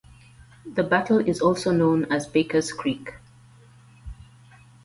The battle is also known as Baker's Creek.